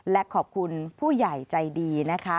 และขอบคุณผู้ใหญ่ใจดีนะคะ